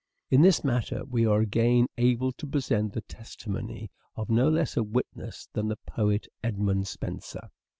In this matter we are again able to present the testimony of no less a witness than the poet Edmund Spenser.